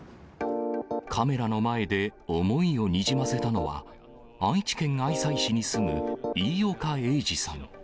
カメラの前で思いをにじませたのは、愛知県愛西市に住む飯岡英治さん。